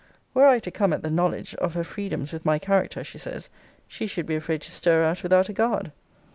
'Were I to come at the knowledge of her freedoms with my character,' she says, 'she should be afraid to stir out without a guard.'